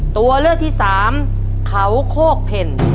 ตัวเลือกที่๓เคาว์โคเผ็น